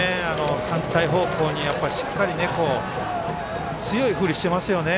反対方向に、しっかり強い振りしてますよね。